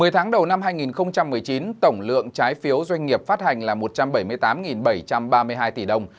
một mươi tháng đầu năm hai nghìn một mươi chín tổng lượng trái phiếu doanh nghiệp phát hành là một trăm bảy mươi tám bảy trăm ba mươi hai tỷ đồng